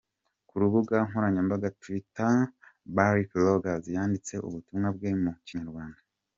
Ku rubuga nkoranyambaga Twitter, Barks-Ruggles yanditse ubutumwa bwe mu Kinyarwanda.